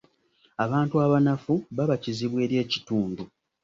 Abantu abanafu baba kizibu eri ekitundu.